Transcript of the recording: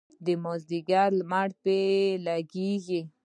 د مازدیګر لمر پرې لګیږي.